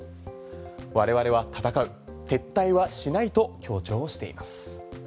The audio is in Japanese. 我々は戦う、撤退はしないと強調しています。